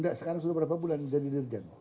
nggak sekarang sudah berapa bulan jadi dirjen